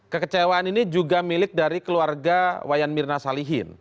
kekecewaan ini juga milik dari keluarga wayan mirna salihin